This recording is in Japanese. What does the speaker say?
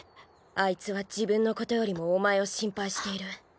あいつは自分のことよりもお前を心配している。